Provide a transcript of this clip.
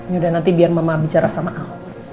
yaudah nanti biar mama bicara sama ahok